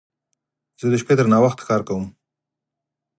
زه د شپې تر ناوخت کار کوم.